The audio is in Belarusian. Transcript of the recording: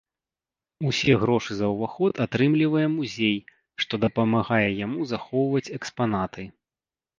Усе грошы за ўваход атрымлівае музей, што дапамагае яму захоўваць экспанаты.